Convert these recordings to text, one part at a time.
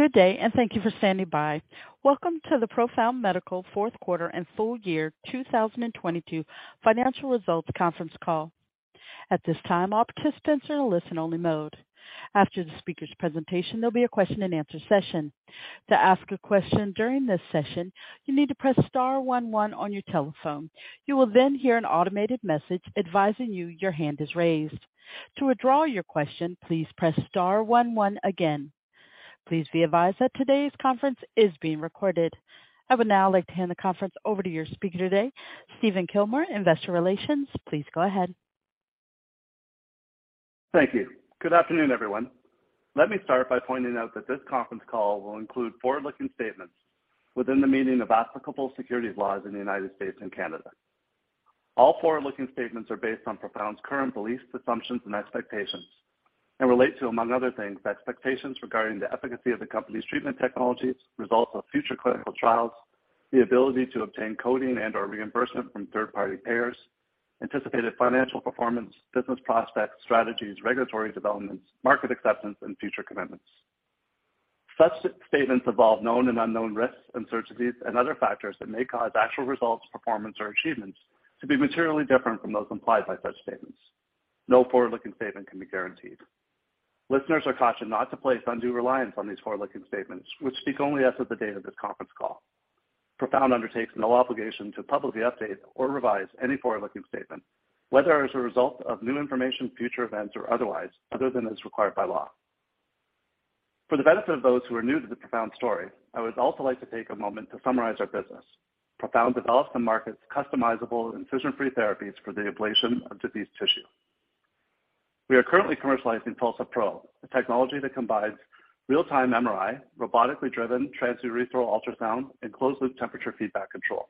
Good day. Thank you for standing by. Welcome to the Profound Medical Fourth Quarter and Full Year 2022 Financial Results Conference Call. At this time, all participants are in a listen-only mode. After the speaker's presentation, there'll be a question-and-answer session. To ask a question during this session, you need to press star one one on your telephone. You will hear an automated message advising you your hand is raised. To withdraw your question, please press star one one again. Please be advised that today's conference is being recorded. I would now like to hand the conference over to your speaker today, Stephen Kilmer, Investor Relations. Please go ahead. Thank you. Good afternoon, everyone. Let me start by pointing out that this conference call will include forward-looking statements within the meaning of applicable securities laws in the United States and Canada. All forward-looking statements are based on Profound's current beliefs, assumptions, and expectations and relate to, among other things, expectations regarding the efficacy of the company's treatment technologies, results of future clinical trials, the ability to obtain coding and/or reimbursement from third-party payers, anticipated financial performance, business prospects, strategies, regulatory developments, market acceptance, and future commitments. Such statements involve known and unknown risks, uncertainties, and other factors that may cause actual results, performance, or achievements to be materially different from those implied by such statements. No forward-looking statement can be guaranteed. Listeners are cautioned not to place undue reliance on these forward-looking statements which speak only as of the date of this conference call. Profound undertakes no obligation to publicly update or revise any forward-looking statement, whether as a result of new information, future events, or otherwise, other than as required by law. For the benefit of those who are new to the Profound story, I would also like to take a moment to summarize our business. Profound develops and markets customizable incision-free therapies for the ablation of diseased tissue. We are currently commercializing TULSA-PRO, a technology that combines real-time MRI, robotically driven transurethral ultrasound, and closed-loop temperature feedback control.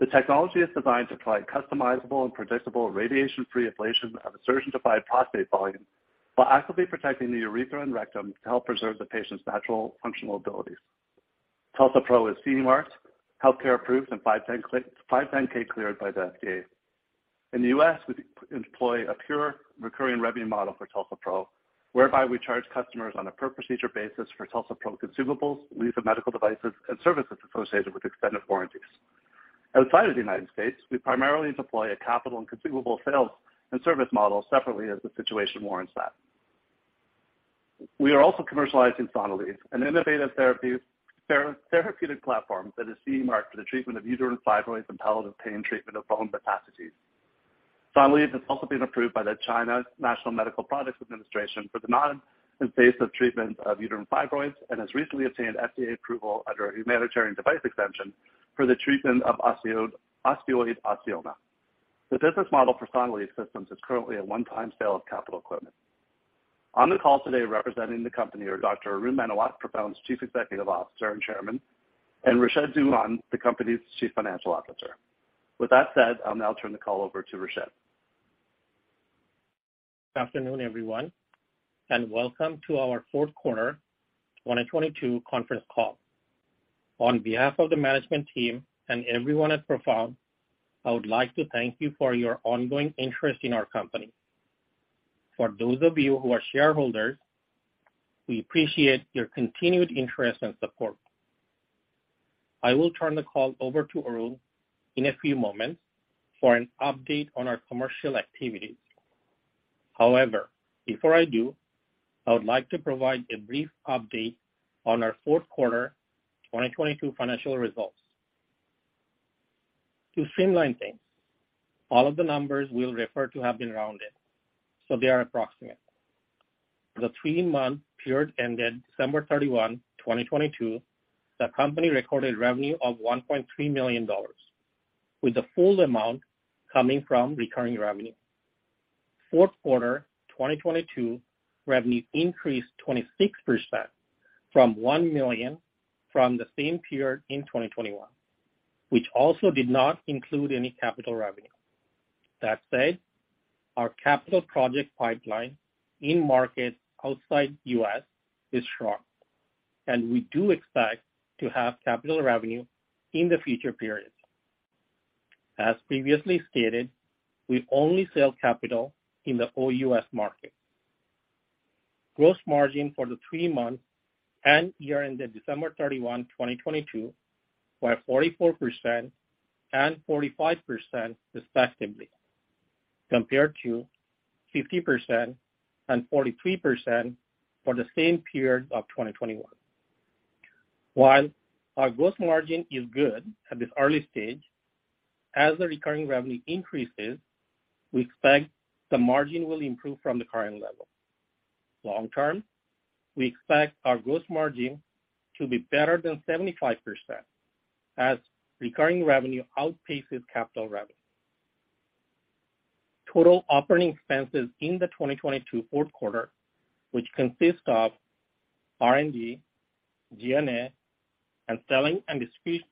The technology is designed to provide customizable and predictable radiation-free ablation of a surgeon-defined prostate volume while actively protecting the urethra and rectum to help preserve the patient's natural functional abilities. TULSA-PRO is CE marked, healthcare approved, and 510(K) cleared by the FDA. In the U.S., we employ a pure recurring revenue model for TULSA-PRO, whereby we charge customers on a per procedure basis for TULSA-PRO consumables, lease of medical devices and services associated with extended warranties. Outside of the United States, we primarily deploy a capital and consumable sales and service model separately as the situation warrants that. We are also commercializing Sonalleve, an innovative therapeutic platform that is CE marked for the treatment of uterine fibroids and palliative pain treatment of bone metastases. Sonalleve has also been approved by the China National Medical Products Administration for the non-invasive treatment of uterine fibroids and has recently obtained FDA approval under a Humanitarian Device Exemption for the treatment of osteoid osteoma. The business model for Sonalleve systems is currently a one-time sale of capital equipment. On the call today representing the company are Dr. Arun Menawat, Profound's Chief Executive Officer and Chairman, and Rashed Dewan, the company's Chief Financial Officer. With that said, I'll now turn the call over to Rashed. Good afternoon, everyone, and welcome to our fourth quarter 2022 conference call. On behalf of the management team and everyone at Profound, I would like to thank you for your ongoing interest in our company. For those of you who are shareholders, we appreciate your continued interest and support. I will turn the call over to Arun in a few moments for an update on our commercial activities. Before I do, I would like to provide a brief update on our fourth quarter 2022 financial results. To streamline things, all of the numbers we'll refer to have been rounded, so they are approximate. For the three-month period ended December 31, 2022, the company recorded revenue of $1.3 million, with the full amount coming from recurring revenue. Fourth quarter 2022 revenue increased 26% from $1 million from the same period in 2021, which also did not include any capital revenue. Our capital project pipeline in markets outside U.S. is strong, and we do expect to have capital revenue in the future periods. As previously stated, we only sell capital in the OUS market. Gross margin for the three-month and year ended December 31, 2022, were 44% and 45% respectively, compared to 50% and 43% for the same period of 2021. While our gross margin is good at this early stage, as the recurring revenue increases, we expect the margin will improve from the current level. Long term, we expect our gross margin to be better than 75% as recurring revenue outpaces capital revenue. Total operating expenses in the 2022 fourth quarter, which consist of R&D, G&A, and selling and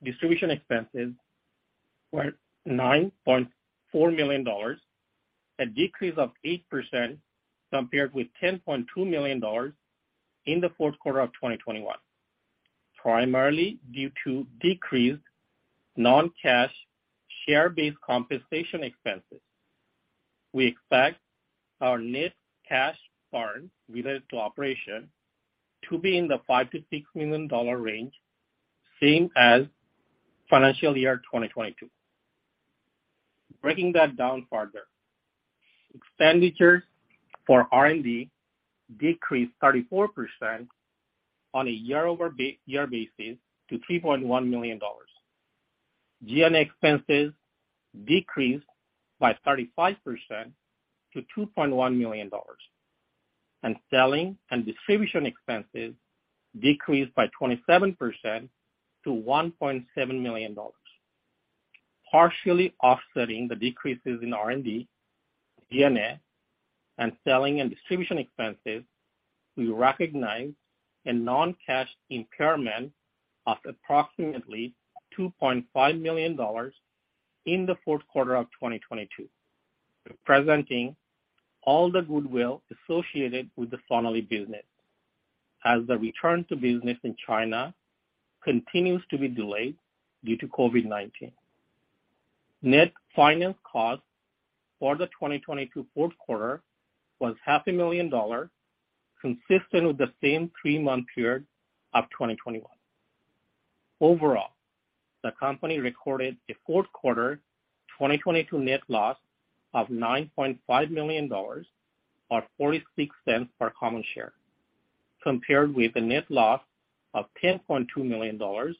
distribution expenses, were $9.4 million, a decrease of 8% compared with $10.2 million in the fourth quarter of 2021, primarily due to decreased non-cash share-based compensation expenses. We expect our net cash burn related to operation to be in the $5 million-$6 million range, same as financial year 2022. Breaking that down further. Expenditures for R&D decreased 34% on a year-over-year basis to $3.1 million. G&A expenses decreased by 35% to $2.1 million, and selling and distribution expenses decreased by 27% to $1.7 million. Partially offsetting the decreases in R&D, G&A, and selling and distribution expenses, we recognize a non-cash impairment of approximately $2.5 million in the fourth quarter of 2022, presenting all the goodwill associated with the Sonalleve business as the return to business in China continues to be delayed due to COVID-19. Net finance cost for the 2022 fourth quarter was half a million dollars, consistent with the same three-month period of 2021. Overall, the company recorded a fourth quarter 2022 net loss of $9.5 million, or $0.46 per common share, compared with the net loss of $10.2 million, or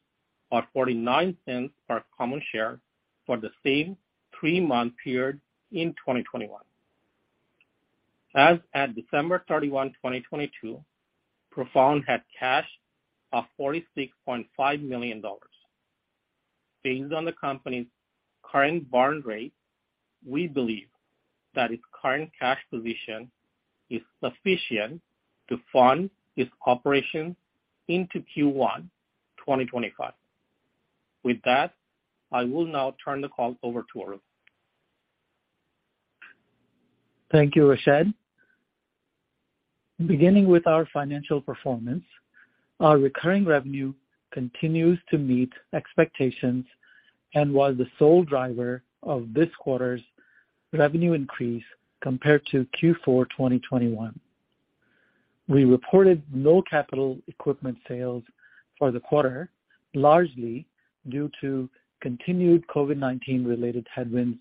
$0.49 per common share for the same three-month period in 2021. As at December 31, 2022, Profound had cash of $46.5 million. Based on the company's current burn rate, we believe that its current cash position is sufficient to fund its operation into Q1 2025. With that, I will now turn the call over to Arun. Thank you, Rashed. Beginning with our financial performance, our recurring revenue continues to meet expectations and was the sole driver of this quarter's revenue increase compared to Q4, 2021. We reported no capital equipment sales for the quarter, largely due to continued COVID-19 related headwinds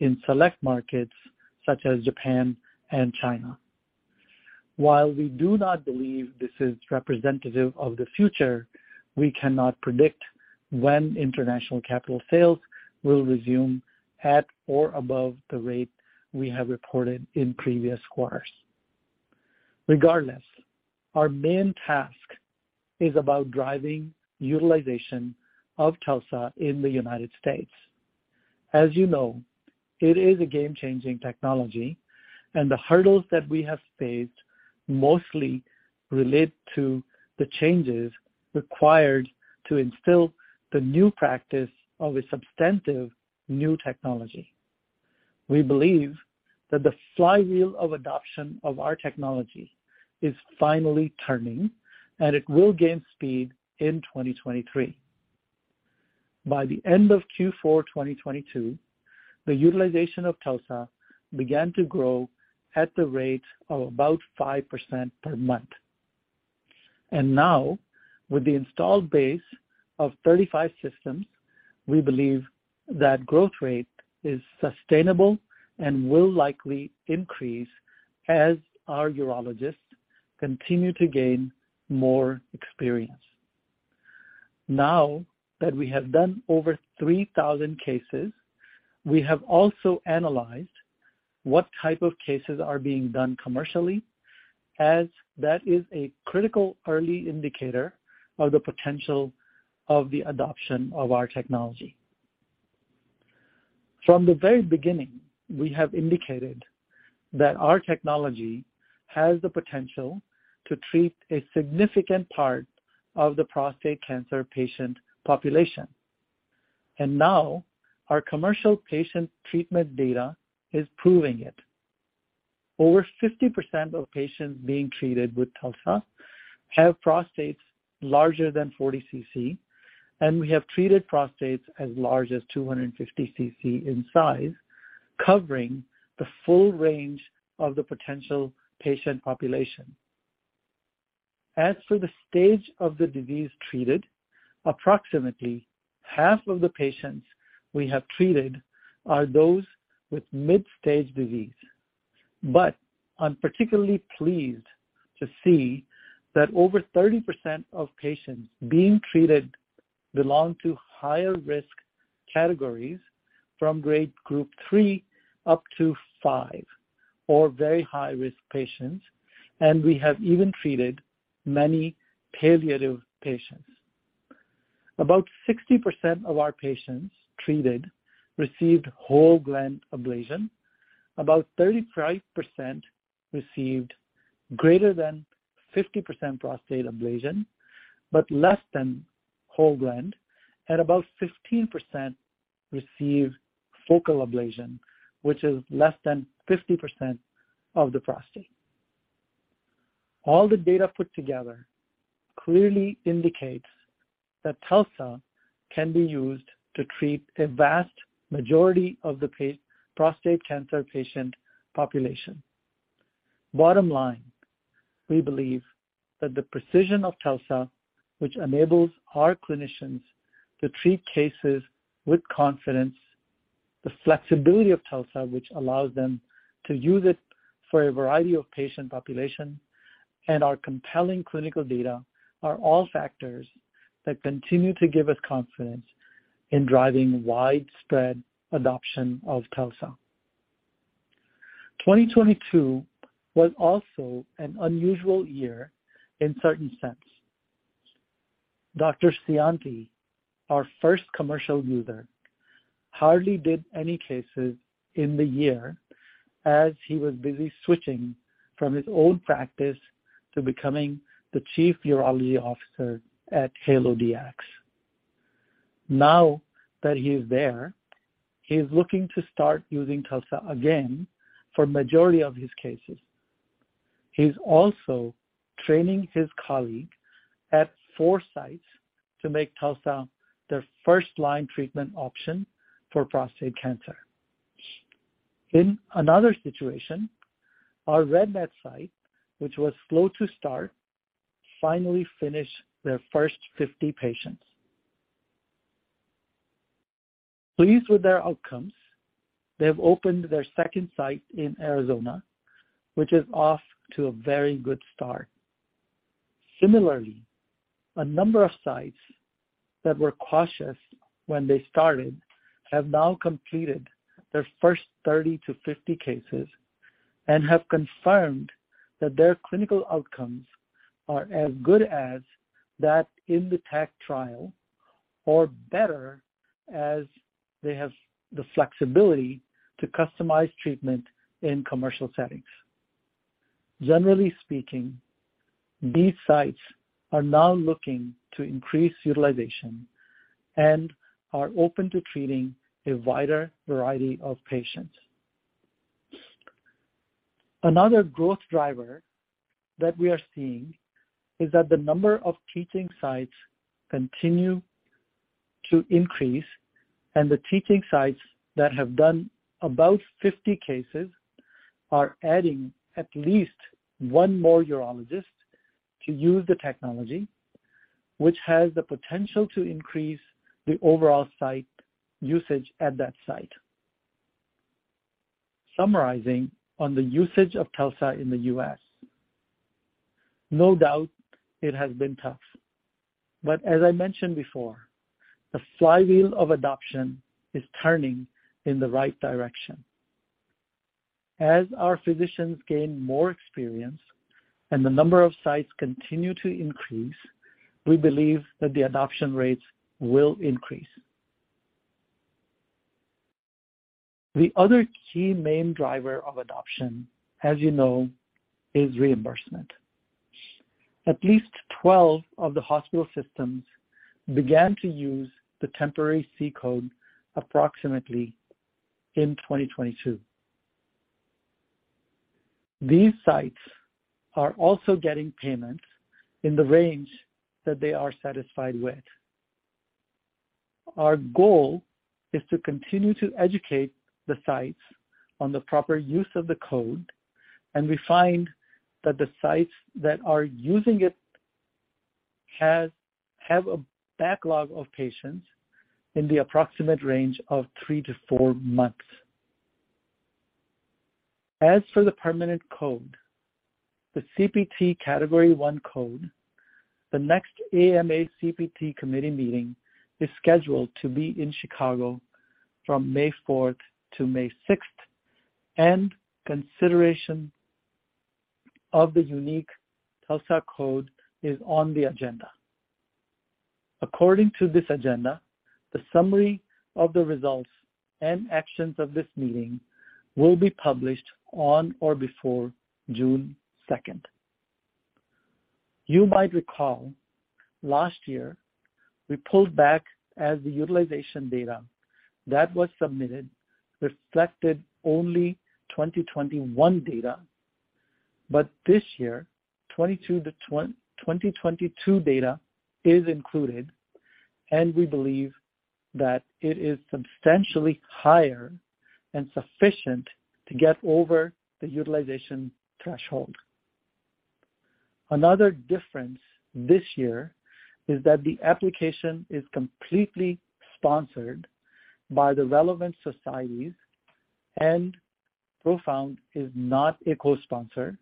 in select markets such as Japan and China. While we do not believe this is representative of the future, we cannot predict when international capital sales will resume at or above the rate we have reported in previous quarters. Regardless, our main task is about driving utilization of TULSA in the United States. As you know, it is a game-changing technology, and the hurdles that we have faced mostly relate to the changes required to instill the new practice of a substantive new technology. We believe that the flywheel of adoption of our technology is finally turning. It will gain speed in 2023. By the end of Q4, 2022, the utilization of TULSA began to grow at the rate of about 5% per month. Now, with the installed base of 35 systems, we believe that growth rate is sustainable and will likely increase as our urologists continue to gain more experience. Now that we have done over 3,000 cases, we have also analyzed what type of cases are being done commercially, as that is a critical early indicator of the potential of the adoption of our technology. From the very beginning, we have indicated that our technology has the potential to treat a significant part of the prostate cancer patient population. Now, our commercial patient treatment data is proving it. Over 50% of patients being treated with TULSA have prostates larger than 40 CC, and we have treated prostates as large as 250 CC in size, covering the full range of the potential patient population. As for the stage of the disease treated, approximately half of the patients we have treated are those with mid-stage disease. I'm particularly pleased to see that over 30% of patients being treated belong to higher risk categories from Grade Group three up to five or very high-risk patients, and we have even treated many palliative patients. About 60% of our patients treated received whole-gland ablation. About 35% received greater than 50% prostate ablation, but less than whole-gland. About 15% received focal ablation, which is less than 50% of the prostate. All the data put together clearly indicates that TULSA can be used to treat a vast majority of the prostate cancer patient population. Bottom line, we believe that the precision of TULSA, which enables our clinicians to treat cases with confidence, the flexibility of TULSA, which allows them to use it for a variety of patient population, and our compelling clinical data are all factors that continue to give us confidence in driving widespread adoption of TULSA. 2022 was also an unusual year in certain sense. Dr. Scionti, our first commercial user, hardly did any cases in the year as he was busy switching from his old practice to becoming the Chief Urology Officer at HALO Dx. Now that he is there, he is looking to start using TULSA again for majority of his cases. He's also training his colleague at four sites to make TULSA their first-line treatment option for prostate cancer. In another situation, our RadNet site, which was slow to start, finally finished their first 50 patients. Pleased with their outcomes, they have opened their second site in Arizona, which is off to a very good start. Similarly, a number of sites that were cautious when they started have now completed their first 30-50 cases and have confirmed that their clinical outcomes are as good as that in the TACT trial or better as they have the flexibility to customize treatment in commercial settings. Generally speaking, these sites are now looking to increase utilization and are open to treating a wider variety of patients. Another growth driver that we are seeing is that the number of teaching sites continue to increase, and the teaching sites that have done above 50 cases are adding at least one more urologist to use the technology, which has the potential to increase the overall site usage at that site. As I mentioned before, the flywheel of adoption is turning in the right direction. As our physicians gain more experience and the number of sites continue to increase, we believe that the adoption rates will increase. The other key main driver of adoption, as you know, is reimbursement. At least 12 of the hospital systems began to use the temporary C-code approximately in 2022. These sites are also getting payments in the range that they are satisfied with. Our goal is to continue to educate the sites on the proper use of the code. We find that the sites that are using it have a backlog of patients in the approximate range of three to four months. As for the permanent code, the CPT Category I code, the next AMA CPT committee meeting is scheduled to be in Chicago from May 4th to May 6th. Consideration of the unique TULSA code is on the agenda. According to this agenda, the summary of the results and actions of this meeting will be published on or before June second. You might recall last year we pulled back as the utilization data that was submitted reflected only 2021 data. This year, 2022 data is included, and we believe that it is substantially higher and sufficient to get over the utilization threshold. Another difference this year is that the application is completely sponsored by the relevant societies and Profound is not a co-sponsor,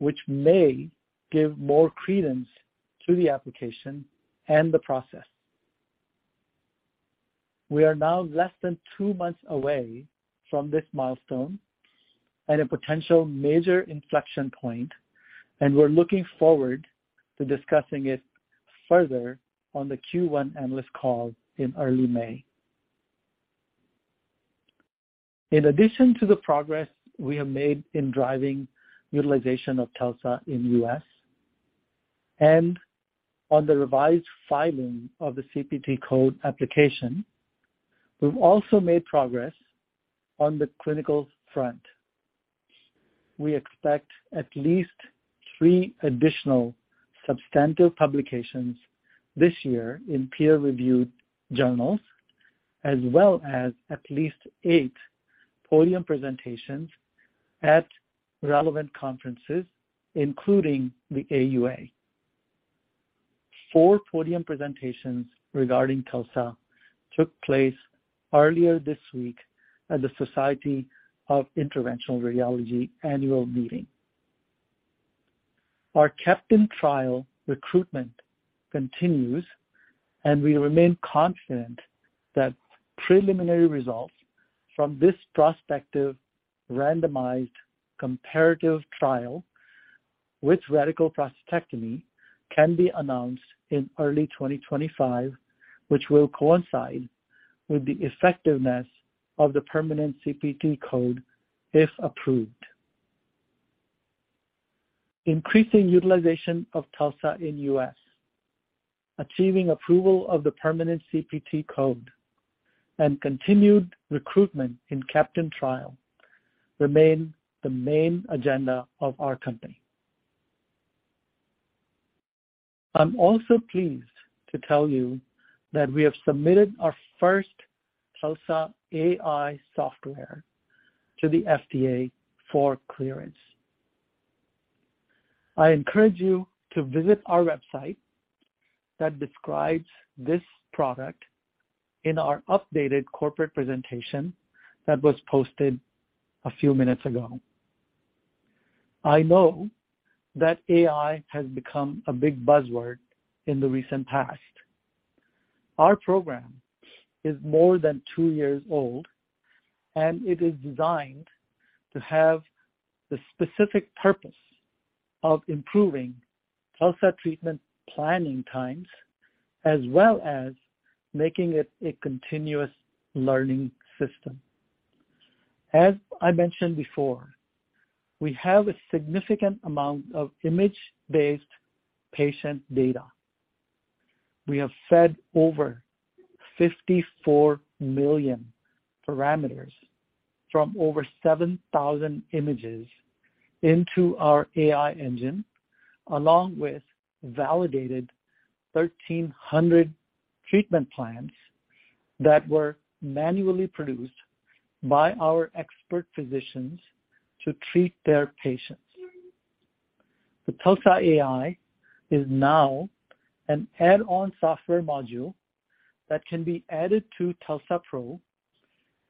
which may give more credence to the application and the process. We are now less than two months away from this milestone and a potential major inflection point. We're looking forward to discussing it further on the Q1 analyst call in early May. In addition to the progress we have made in driving utilization of TULSA in U.S. and on the revised filing of the CPT code application, we've also made progress on the clinical front. We expect at least three additional substantive publications this year in peer-reviewed journals, as well as at least eight podium presentations at relevant conferences, including the AUA. Four podium presentations regarding TULSA took place earlier this week at the Society of Interventional Radiology annual meeting. Our CAPTAIN trial recruitment continues. We remain confident that preliminary results from this prospective randomized comparative trial with radical prostatectomy can be announced in early 2025, which will coincide with the effectiveness of the permanent CPT code, if approved. Increasing utilization of TULSA in U.S., achieving approval of the permanent CPT code, and continued recruitment in CAPTAIN trial remain the main agenda of our company. I'm also pleased to tell you that we have submitted our first TULSA AI software to the FDA for clearance. I encourage you to visit our website that describes this product in our updated corporate presentation that was posted a few minutes ago. I know that AI has become a big buzzword in the recent past. Our program is more than two years old, and it is designed to have the specific purpose of improving TULSA treatment planning times, as well as making it a continuous learning system. As I mentioned before, we have a significant amount of image-based patient data. We have fed over 54 million parameters from over 7,000 images into our AI engine, along with validated 1,300 treatment plans that were manually produced by our expert physicians to treat their patients. The TULSA AI is now an add-on software module that can be added to TULSA-PRO,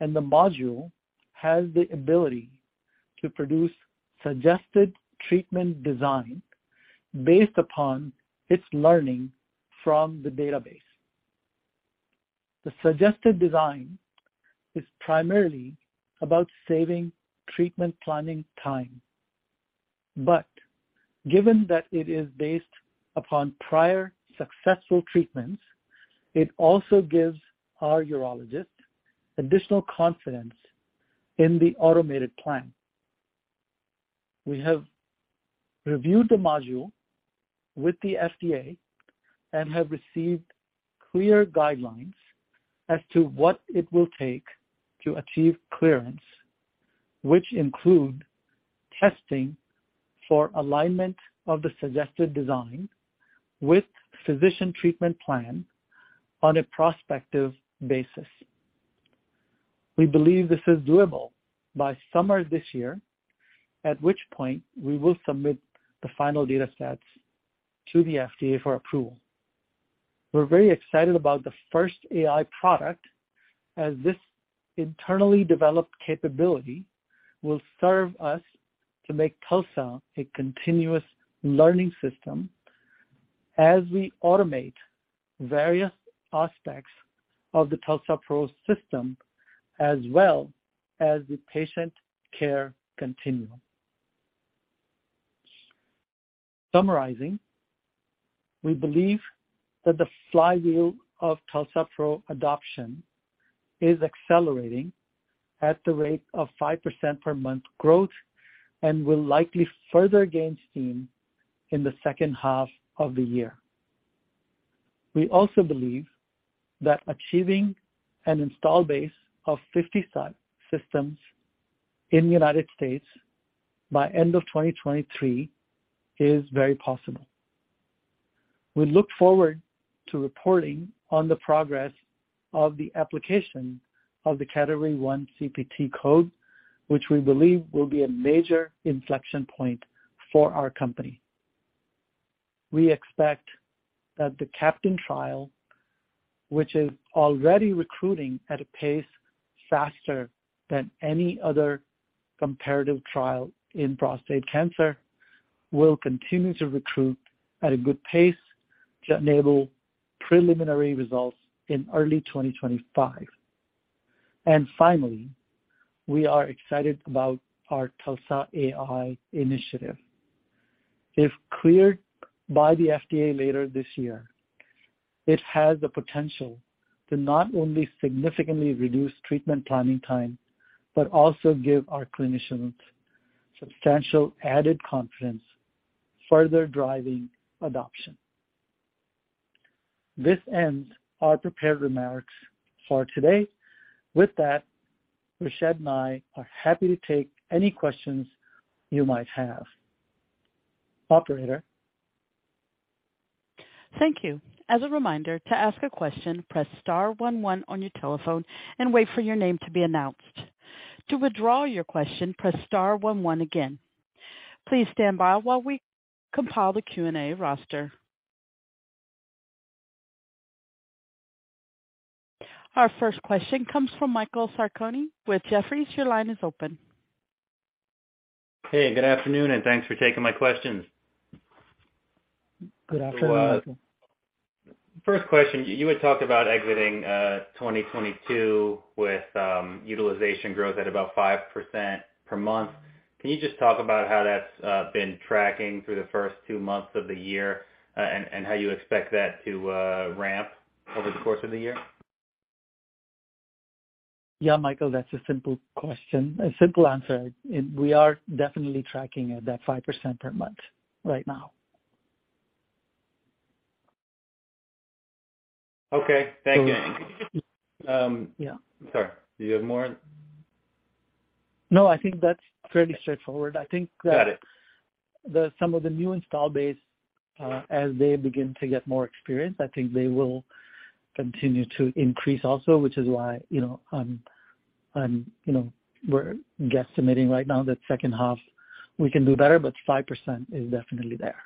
and the module has the ability to produce suggested treatment design based upon its learning from the database. The suggested design is primarily about saving treatment planning time. Given that it is based upon prior successful treatments, it also gives our urologist additional confidence in the automated plan. We have reviewed the module with the FDA and have received clear guidelines as to what it will take to achieve clearance, which include testing for alignment of the suggested design with physician treatment plan on a prospective basis. We believe this is doable by summer this year, at which point we will submit the final data sets to the FDA for approval. We're very excited about the first AI product, as this internally developed capability will serve us to make TULSA a continuous learning system as we automate various aspects of the TULSA-PRO system, as well as the patient care continuum. Summarizing, we believe that the flywheel of TULSA-PRO adoption is accelerating at the rate of 5% per month growth and will likely further gain steam in the second half of the year. We also believe that achieving an install base of 50 systems in the United States by end of 2023 is very possible. We look forward to reporting on the progress of the application of the Category I CPT code, which we believe will be a major inflection point for our company. We expect that the CAPTAIN trial, which is already recruiting at a pace faster than any other comparative trial in prostate cancer, will continue to recruit at a good pace to enable preliminary results in early 2025. Finally, we are excited about our TULSA AI initiative. If cleared by the FDA later this year. It has the potential to not only significantly reduce treatment planning time, but also give our clinicians substantial added confidence, further driving adoption. This ends our prepared remarks for today. With that, Rashed and I are happy to take any questions you might have. Operator. Thank you. As a reminder, to ask a question, press star one one on your telephone and wait for your name to be announced. To withdraw your question, press star one one again. Please stand by while we compile the Q&A roster. Our first question comes from Michael Sarcone with Jefferies. Your line is open. Hey, good afternoon, and thanks for taking my questions. Good afternoon, Michael. First question, you had talked about exiting 2022 with utilization growth at about 5% per month. Can you just talk about how that's been tracking through the first two months of the year, and how you expect that to ramp over the course of the year? Yeah, Michael, that's a simple question. A simple answer. We are definitely tracking at that 5% per month right now. Okay. Thank you. Yeah. Sorry. Do you have more? No, I think that's fairly straightforward. I think. Got it. Some of the new install base, as they begin to get more experience, I think they will continue to increase also, which is why, you know, I'm, you know, we're guesstimating right now that second half we can do better, but 5% is definitely there.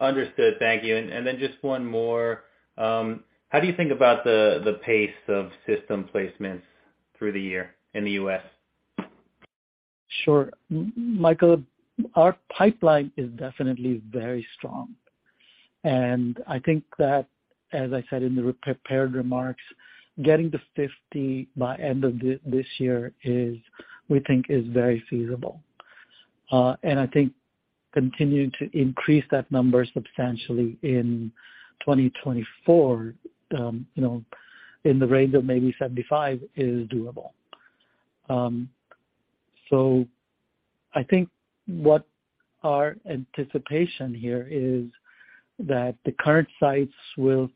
Understood. Thank you. Then just one more. How do you think about the pace of system placements through the year in the U.S.? Sure. Michael, our pipeline is definitely very strong. I think that, as I said in the re-prepared remarks, getting to 50 by end of this year is, we think is very feasible. I think continuing to increase that number substantially in 2024, you know, in the range of maybe 75 is doable. I think what our anticipation here is that the current sites will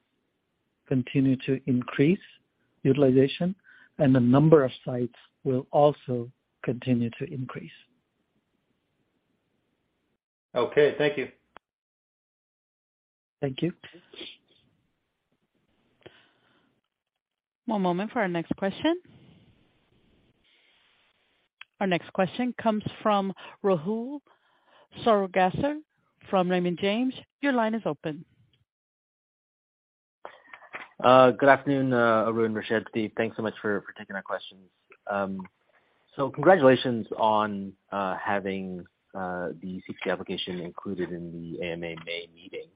continue to increase utilization, and the number of sites will also continue to increase. Okay, thank you. Thank you. One moment for our next question. Our next question comes from Rahul Sarugaser from Raymond James. Your line is open. Good afternoon, Arun and Rashed. Thanks so much for taking our questions. Congratulations on having the CPT application included in the AMA main meeting.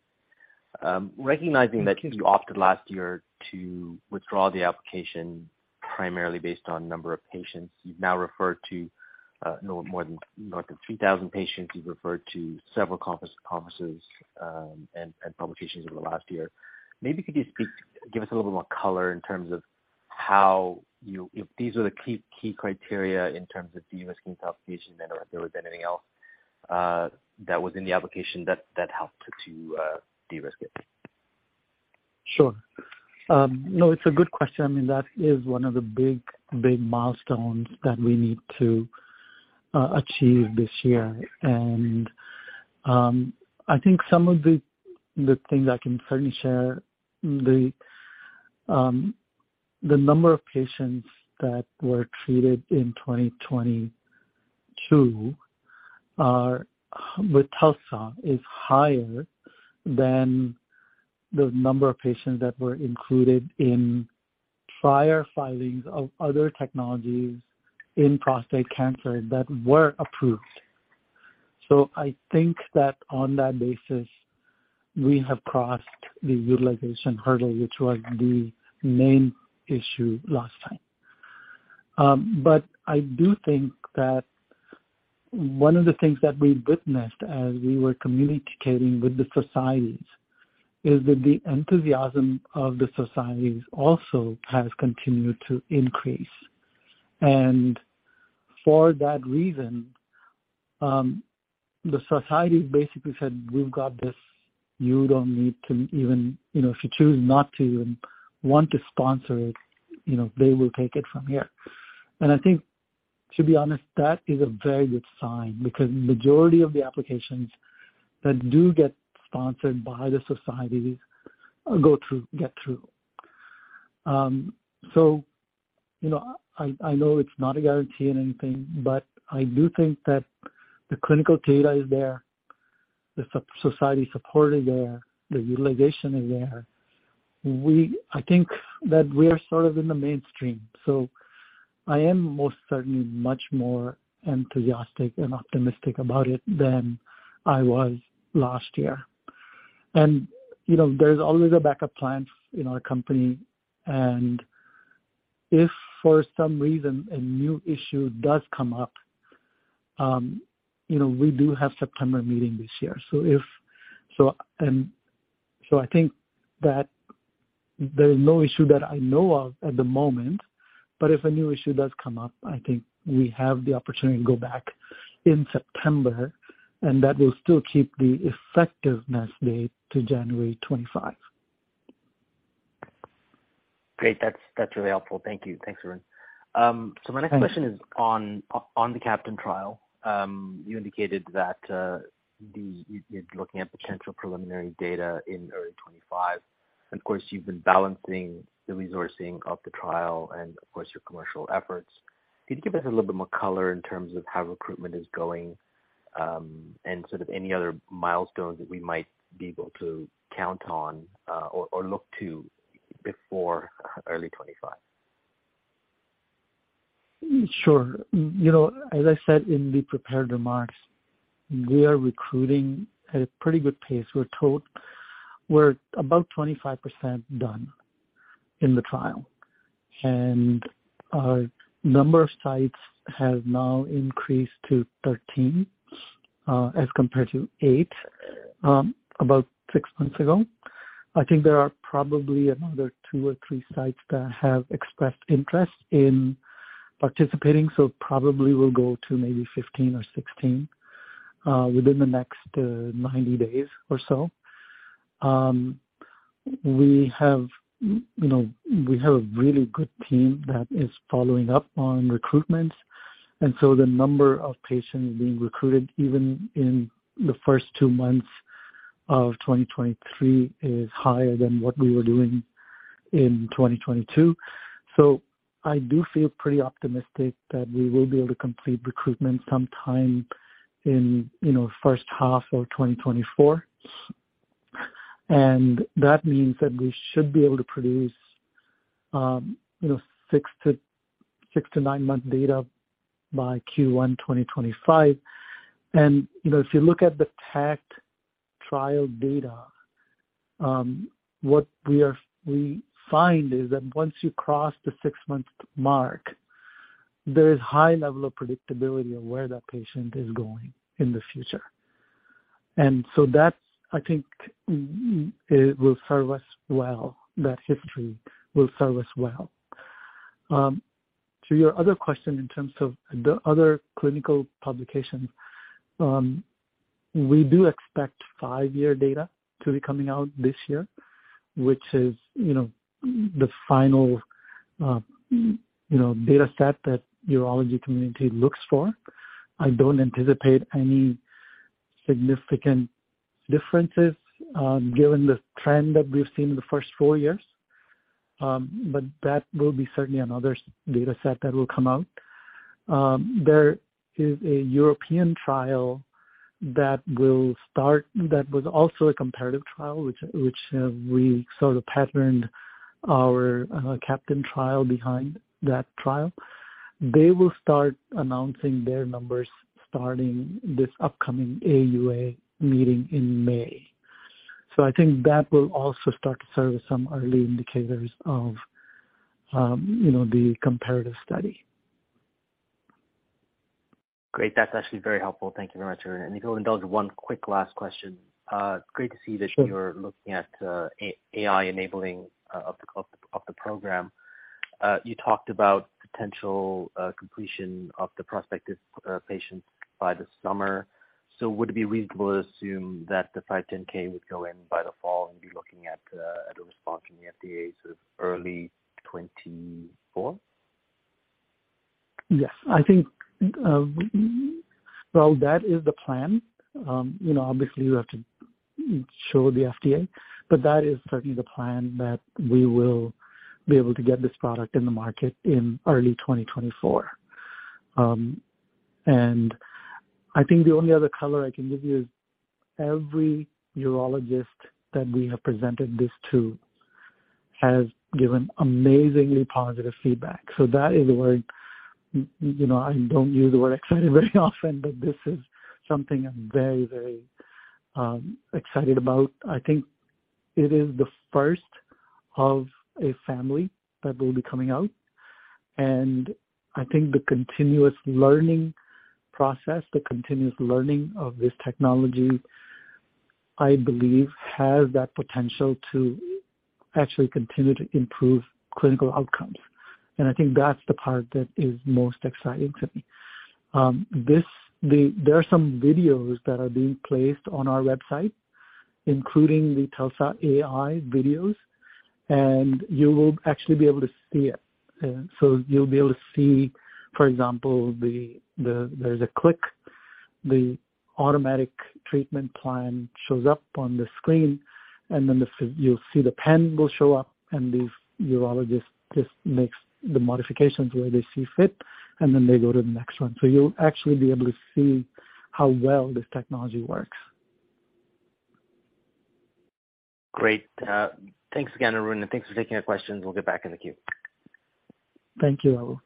Recognizing that you opted last year to withdraw the application primarily based on number of patients, you've now referred to no more than north of 3,000 patients. You've referred to several conferences and publications over the last year. Maybe could you speak, give us a little more color in terms of how you. If these are the key criteria in terms of de-risking the application, then if there was anything else that was in the application that helped to de-risk it? Sure. No, it's a good question. I mean, that is one of the big, big milestones that we need to achieve this year. I think some of the things I can certainly share, the number of patients that were treated in 2022 with TULSA is higher than the number of patients that were included in prior filings of other technologies in prostate cancer that were approved. I think that on that basis, we have crossed the utilization hurdle, which was the main issue last time. I do think that one of the things that we witnessed as we were communicating with the societies is that the enthusiasm of the societies also has continued to increase. For that reason, the societies basically said, "We've got this. You don't need to even, you know, if you choose not to and want to sponsor it, you know, they will take it from here. I think, to be honest, that is a very good sign, because majority of the applications that do get sponsored by the societies go through, get through. You know, I know it's not a guarantee in anything, but I do think that the clinical data is there, the society support is there, the utilization is there. I think that we are sort of in the mainstream, so I am most certainly much more enthusiastic and optimistic about it than I was last year. You know, there's always a backup plan in our company, and if for some reason a new issue does come up. You know, we do have September meeting this year, so if... I think that there is no issue that I know of at the moment, but if a new issue does come up, I think we have the opportunity to go back in September, and that will still keep the effectiveness date to January 25. Great. That's really helpful. Thank you. Thanks, Arun. my next question is on the CAPTAIN trial. you indicated that you're looking at potential preliminary data in early 2025. Of course, you've been balancing the resourcing of the trial and of course, your commercial efforts. Could you give us a little bit more color in terms of how recruitment is going, and sort of any other milestones that we might be able to count on, or look to before early 2025? Sure. You know, as I said in the prepared remarks, we are recruiting at a pretty good pace. We're about 25% done in the trial. Our number of sites have now increased to 13, as compared to eight, about six months ago. I think there are probably another two or three sites that have expressed interest in participating, so probably will go to maybe 15 or 16, within the next 90 days or so. We have, you know, we have a really good team that is following up on recruitment. The number of patients being recruited, even in the first two months of 2023, is higher than what we were doing in 2022. I do feel pretty optimistic that we will be able to complete recruitment sometime in, you know, first half of 2024. That means that we should be able to produce, you know, six-to-nine-month data by Q1 2025. You know, if you look at the TACT trial data, what we find is that once you cross the six-month mark, there is high level of predictability of where that patient is going in the future. That's, I think, it will serve us well, that history will serve us well. To your other question in terms of the other clinical publications, we do expect five-year data to be coming out this year, which is, you know, the final, you know, data set that urology community looks for. I don't anticipate any significant differences, given the trend that we've seen in the first four years, but that will be certainly another data set that will come out. There is a European trial that was also a comparative trial, which we sort of patterned our CAPTAIN trial behind that trial. They will start announcing their numbers starting this upcoming AUA meeting in May. I think that will also start to serve as some early indicators of, you know, the comparative study. Great. That's actually very helpful. Thank you very much, Arun. If you'll indulge one quick last question. Great to see. Sure. You're looking at, AI enabling, of the, of the, of the program. You talked about potential, completion of the prospective, patients by the summer. Would it be reasonable to assume that the 510(K) would go in by the fall and be looking at a response from the FDA sort of early 2024? Yes. I think, well, that is the plan. You know, obviously we have to show the FDA, but that is certainly the plan, that we will be able to get this product in the market in early 2024. I think the only other color I can give you is every urologist that we have presented this to has given amazingly positive feedback. That is a word, you know, I don't use the word excited very often, but this is something I'm very excited about. I think it is the first of a family that will be coming out, and I think the continuous learning process, the continuous learning of this technology, I believe has that potential to actually continue to improve clinical outcomes. I think that's the part that is most exciting to me. There are some videos that are being placed on our website, including the TULSA AI videos. You will actually be able to see it. You'll be able to see, for example, the, there's a click, the automatic treatment plan shows up on the screen. Then you'll see the pen will show up. The urologist just makes the modifications where they see fit. Then they go to the next one. You'll actually be able to see how well this technology works. Great. Thanks again, Arun, thanks for taking the questions. We'll get back in the queue. Thank you, Rahul.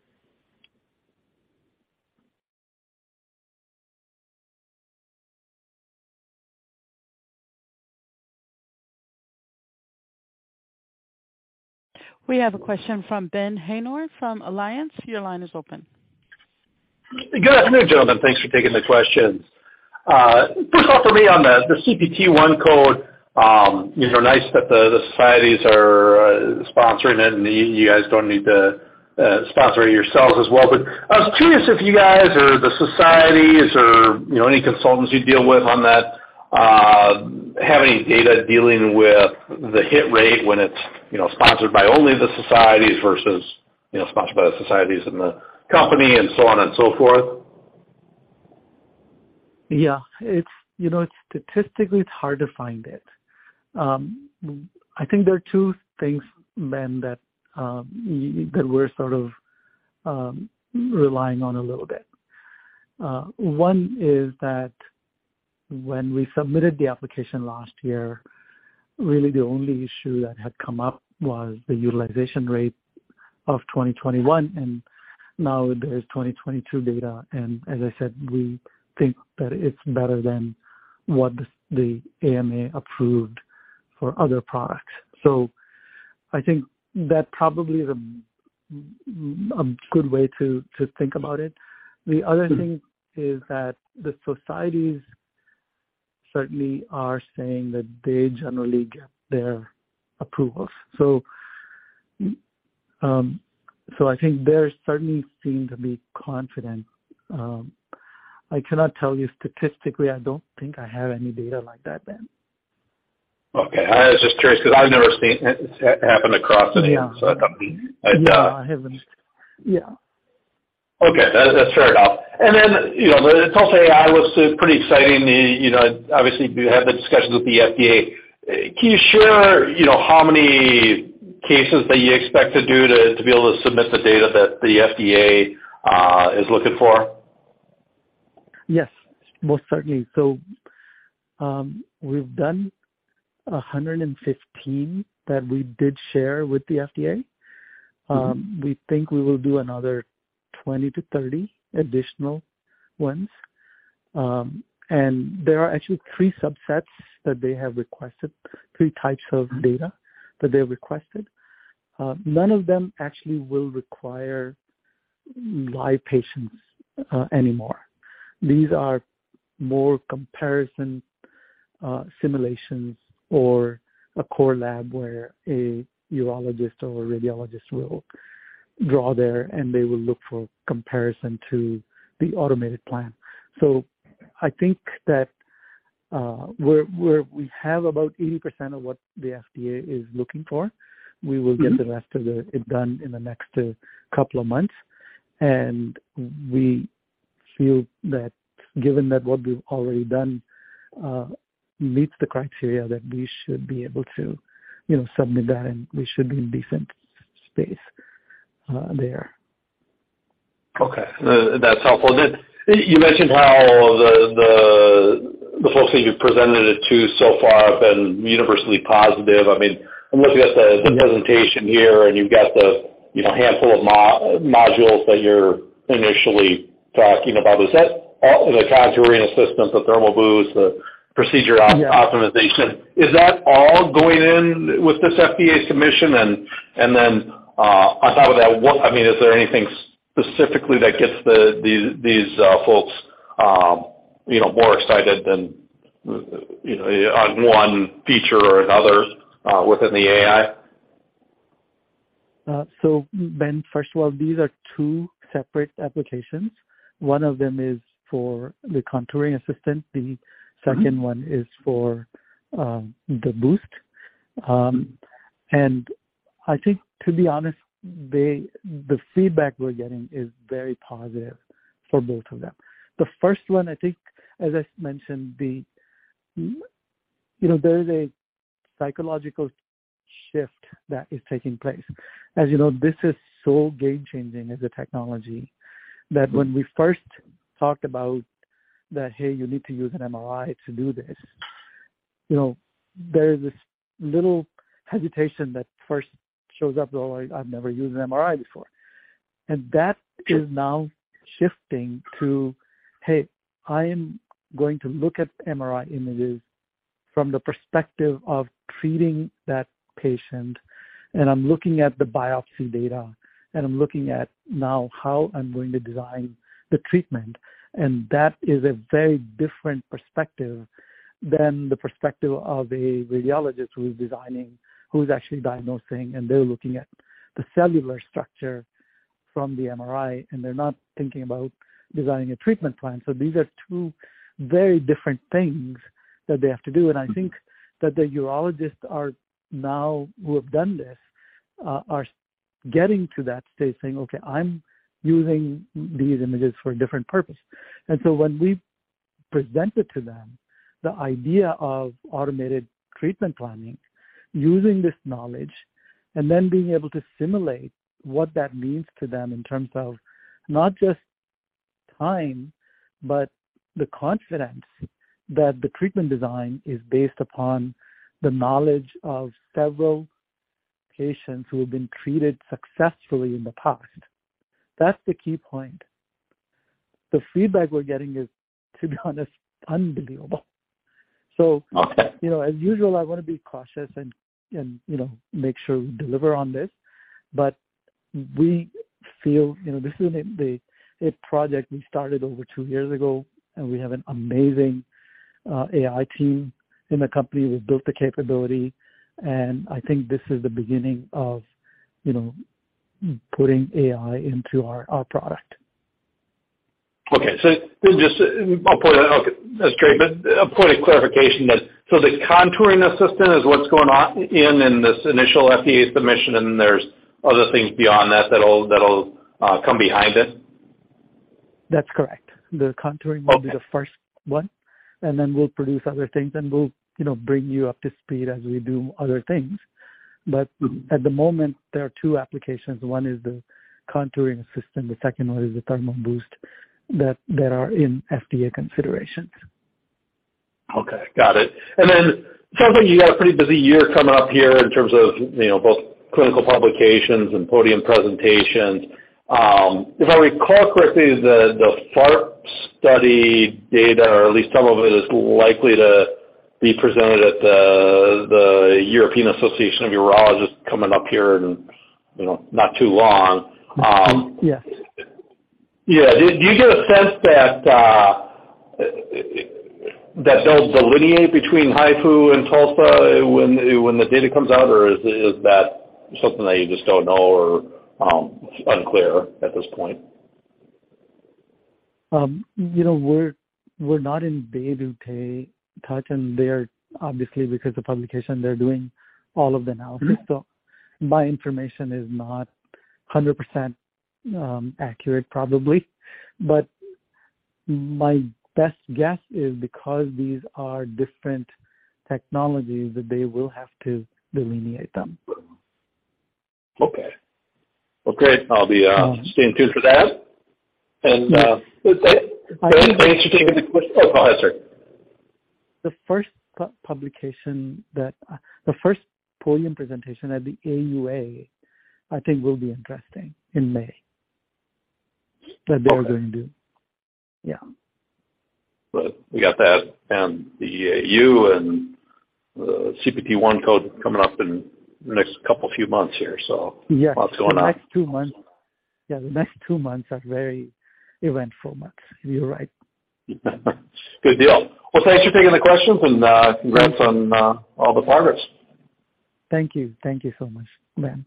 We have a question from Ben Haynor from Alliance. Your line is open. Good afternoon, gentlemen. Thanks for taking the questions. First off for me on the CPT 1 code, you know, nice that the societies are sponsoring it, and you guys don't need to sponsor it yourselves as well. I was curious if you guys or the societies or, you know, any consultants you deal with on that, have any data dealing with the hit rate when it's, you know, sponsored by only the societies versus, you know, sponsored by the societies and the company and so on and so forth. Yeah. It's, you know, statistically, it's hard to find it. I think there are two things, Ben, that we're sort of relying on a little bit. One is that when we submitted the application last year, really the only issue that had come up was the utilization rate of 2021, and now there's 2022 data, and as I said, we think that it's better than what the AMA approved for other products. I think that probably is a good way to think about it. The other thing is that the societies certainly are saying that they generally get their approvals. I think they certainly seem to be confident. I cannot tell you statistically, I don't think I have any data like that, Ben. Okay. I was just curious because I've never seen it happen across any other company. Yeah. I haven't. Yeah. Okay. That's fair enough. You know, the TULSA AI was pretty exciting. You know, obviously, you had the discussions with the FDA. Can you share, you know, how many cases that you expect to do to be able to submit the data that the FDA is looking for? Yes, most certainly. We've done 115 that we did share with the FDA. We think we will do another 20-30 additional ones. There are actually three subsets that they have requested, three types of data that they requested. None of them actually will require live patients anymore. These are more comparison simulations or a core lab where a urologist or a radiologist will draw there, and they will look for comparison to the automated plan. I think that we have about 80% of what the FDA is looking for. We will get the rest of it done in the next couple of months. We feel that given that what we've already done, meets the criteria that we should be able to, you know, submit that in, we should be in decent space, there. Okay. That's helpful. You mentioned how the folks that you presented it to so far have been universally positive. I mean, I'm looking at the presentation here, you've got the, you know, handful of modules that you're initially talking about. Is that all the Contouring Assistant, the Thermal Boost, the procedure optimization, is that all going in with this FDA submission? I mean, is there anything specifically that gets these folks, you know, more excited than, you know, on one feature or another within the AI? Ben, first of all, these are two separate applications. One of them is for the Contouring Assistant, the second one is for the Boost. I think, to be honest, the feedback we're getting is very positive for both of them. The first one, I think as I mentioned, you know, there is a psychological shift that is taking place. As you know, this is so game changing as a technology that when we first talked about that, "Hey, you need to use an MRI to do this," you know, there is this little hesitation that first shows up, like, "I've never used an MRI before." That is now shifting to, "Hey, I'm going to look at MRI images from the perspective of treating that patient, and I'm looking at the biopsy data, and I'm looking at now how I'm going to design the treatment." That is a very different perspective than the perspective of a radiologist who is designing, who's actually diagnosing, and they're looking at the cellular structure from the MRI, and they're not thinking about designing a treatment plan. These are two very different things that they have to do. I think that the urologists are now, who have done this, are getting to that stage saying, "Okay, I'm using these images for a different purpose." When we presented to them the idea of automated treatment planning using this knowledge and then being able to simulate what that means to them in terms of not just time, but the confidence that the treatment design is based upon the knowledge of several patients who been treated successfully in the past, that's the key point. The feedback we're getting is, to be honest, unbelievable. Okay. You know, as usual, I wanna be cautious and, you know, make sure we deliver on this, but we feel, you know, this is a project we started over two years ago. We have an amazing AI team in the company who built the capability. I think this is the beginning of, you know, putting AI into our product. Just, that's great, but a point of clarification then. The Contouring Assistant is what's going on in this initial FDA submission, and there's other things beyond that that'll come behind it? That's correct. The contouring Okay. Will be the first one, and then we'll produce other things, and we'll, you know, bring you up to speed as we do other things. Mm-hmm. At the moment, there are two applications. One is the Contouring Assistant, the second one is the Thermal Boost, that are in FDA considerations. Okay, got it. It sounds like you got a pretty busy year coming up here in terms of, you know, both clinical publications and podium presentations. If I recall correctly, the FLARE study data, or at least some of it, is likely to be presented at the European Association of Urologists coming up here in, you know, not too long. Yes. Yeah. Do you get a sense that they'll delineate between HIFU and TULSA when the data comes out, or is that something that you just don't know or unclear at this point? You know, we're not in day-to-day touch. They're obviously, because of publication, they're doing all of the analysis. Mm-hmm. My information is not 100% accurate probably, but my best guess is because these are different technologies that they will have to delineate them. Okay. Okay. I'll be. Um Staying tuned for that. Yes. With that, thanks for taking the ques. Oh, go ahead. Sorry. The first publication that, the first podium presentation at the AUA, I think will be interesting in May. Okay. That they're gonna do. Yeah. Well, we got that and the EAU and the CPT one code coming up in the next couple few months here. Yes. Lots going on. The next two months. Yeah, the next two Months are very eventful months. You're right. Good deal. Well, thanks for taking the questions and Mm-hmm. Congrats on all the progress. Thank you. Thank you so much, Ben.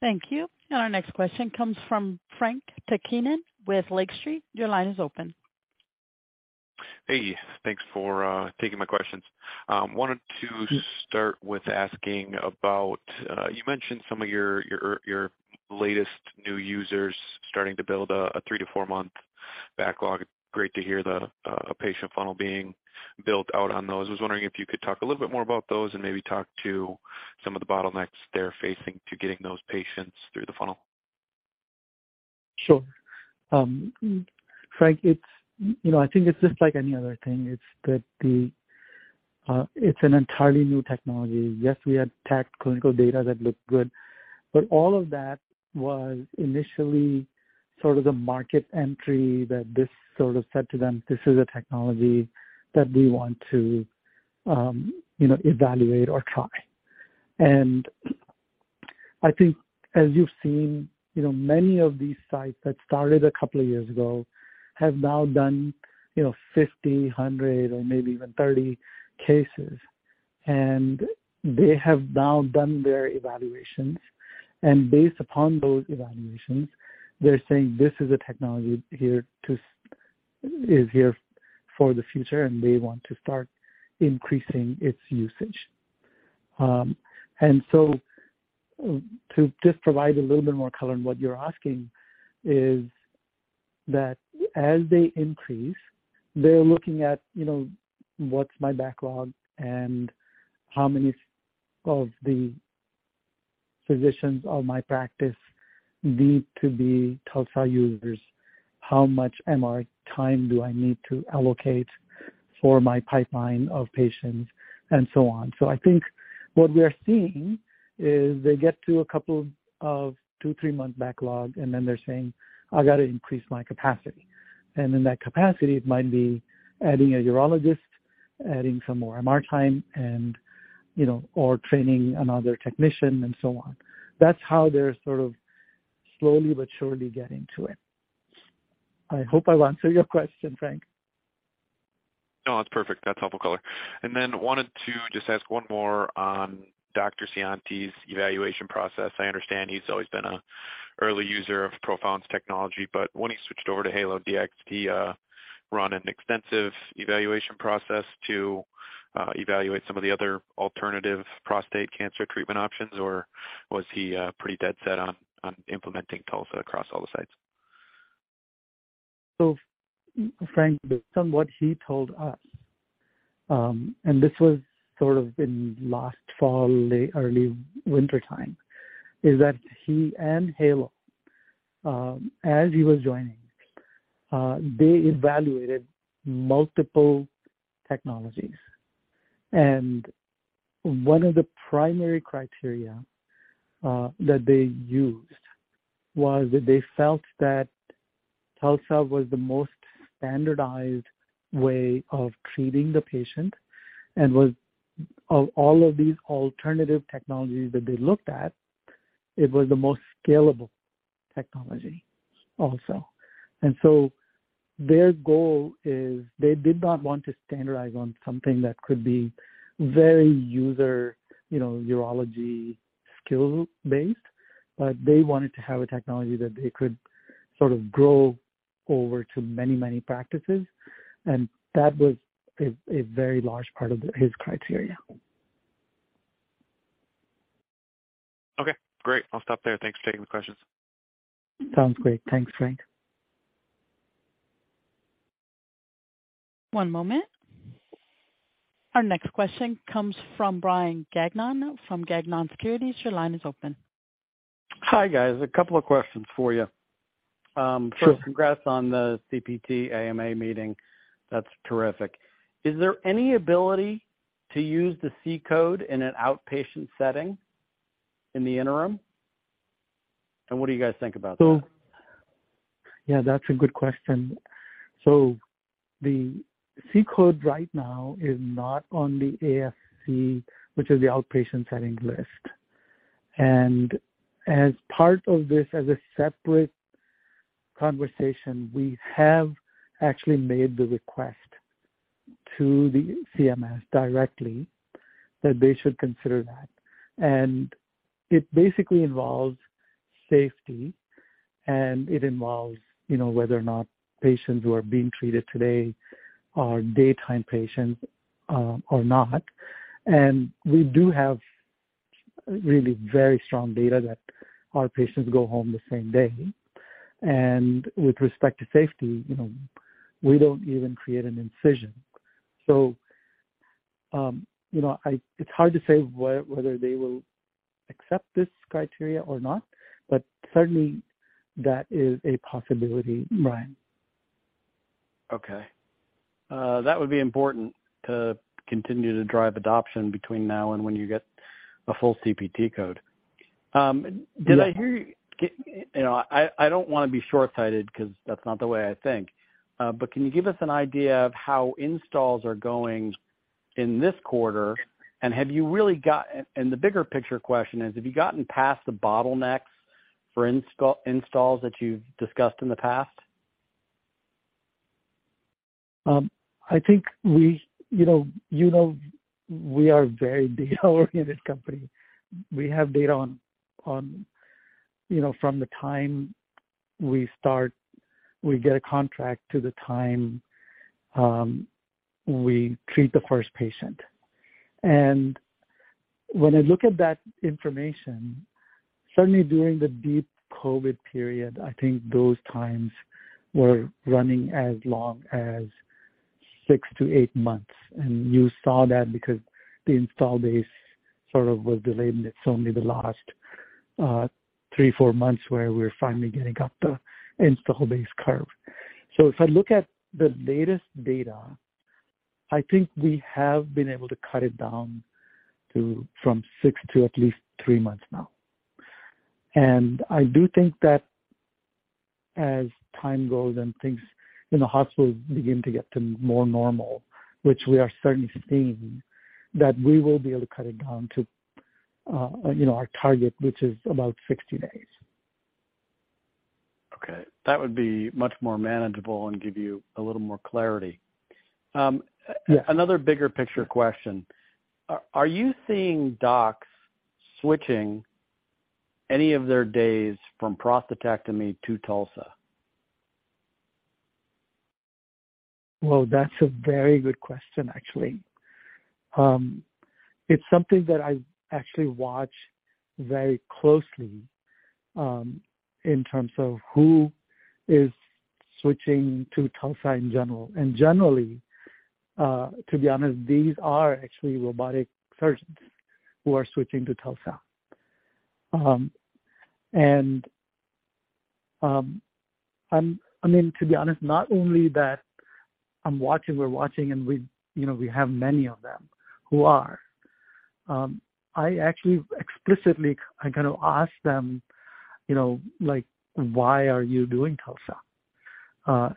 Thank you. Our next question comes from Frank Takkinen with Lake Street. Your line is open. Hey, thanks for taking my questions. Mm-hmm. Start with asking about, you mentioned some of your latest new users starting to build a three to four month backlog. Great to hear a patient funnel being built out on those. I was wondering if you could talk a little bit more about those and maybe talk to some of the bottlenecks they're facing to getting those patients through the funnel? Sure. Frank, it's, you know, I think it's just like any other thing. It's that the, it's an entirely new technology. Yes, we had tagged clinical data that looked good, but all of that was initially sort of the market entry that this sort of said to them, "This is a technology that we want to, you know, evaluate or try." I think as you've seen, you know, many of these sites that started a couple of years ago have now done, you know, 50, 100 or maybe even 30 cases, and they have now done their evaluations, and based upon those evaluations, they're saying, "This is a technology here is here for the future," and they want to start increasing its usage. And so to just provide a little bit more color on what you're asking is that as they increase, they're looking at, you know, "What's my backlog, and how many of the physicians of my practice need to be TULSA users? How much MR time do I need to allocate for my pipeline of patients?" and so on. I think what we are seeing is they get to a couple of two, three-month backlog, and then they're saying, "I gotta increase my capacity." In that capacity, it might be adding a urologist, adding some more MR time and, you know, or training another technician and so on. That's how they're sort of slowly but surely getting to it. I hope I've answered your question, Frank. No, that's perfect. That's helpful color. Then wanted to just ask one more on Dr. Scionti's evaluation process. I understand he's always been a early user of Profound's technology, but when he switched over to HALO Diagnostics, did he run an extensive evaluation process to evaluate some of the other alternative prostate cancer treatment options, or was he pretty dead set on implementing TULSA across all the sites? Frank, based on what he told us, and this was sort of in last fall, early wintertime, is that he and HALO Diagnostics, as he was joining, they evaluated multiple technologies, and one of the primary criteria that they used was that they felt that TULSA was the most standardized way of treating the patient and was of all of these alternative technologies that they looked at, it was the most scalable technology also. Their goal is they did not want to standardize on something that could be very user, you know, urology skill-based, but they wanted to have a technology that they could sort of grow over to many, many practices. That was a very large part of the, his criteria. Okay, great. I'll stop there. Thanks for taking the questions. Sounds great. Thanks, Frank. One moment. Our next question comes from Brian Gagnon from Gagnon Securities. Your line is open. Hi, guys. A couple of questions for you. Sure. First, congrats on the CPT AMA meeting. That's terrific. Is there any ability to use the C-code in an outpatient setting in the interim? What do you guys think about that? Yeah, that's a good question. The C-code right now is not on the ASC, which is the outpatient setting list. As part of this, as a separate conversation, we have actually made the request to the CMS directly that they should consider that. It basically involves safety, and it involves, you know, whether or not patients who are being treated today are daytime patients, or not. We do have really very strong data that our patients go home the same day. With respect to safety, you know, we don't even create an incision. You know, It's hard to say whether they will accept this criteria or not, but certainly that is a possibility, Brian. That would be important to continue to drive adoption between now and when you get a full CPT code. Yeah. You know, I don't wanna be short-sighted because that's not the way I think. Can you give us an idea of how installs are going in this quarter? The bigger picture question is, have you gotten past the bottlenecks for installs that you've discussed in the past? I think we, you know, we are very data-oriented company. We have data on, you know, from the time we start, we get a contract, to the time we treat the first patient. When I look at that information, certainly during the deep COVID period, I think those times were running as long as six to eight months. You saw that because the install base sort of was delayed, and it's only the last three to four months where we're finally getting up the install base curve. If I look at the latest data, I think we have been able to cut it down to, from six to at least three months now. I do think that as time goes and things in the hospitals begin to get to more normal, which we are certainly seeing, that we will be able to cut it down to, you know, our target, which is about 60 days. Okay. That would be much more manageable and give you a little more clarity. Yeah. Another bigger picture question. Are you seeing docs switching any of their days from prostatectomy to TULSA? Well, that's a very good question, actually. It's something that I actually watch very closely, in terms of who is switching to TULSA in general. Generally, to be honest, these are actually robotic surgeons who are switching to TULSA. I mean, to be honest, not only that I'm watching, we're watching, and we, you know, we have many of them who are. I actually explicitly, I kind of ask them, you know, like, "Why are you doing TULSA?